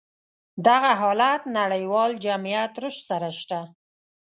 دغه حالت نړيوال جميعت رشد سره شته.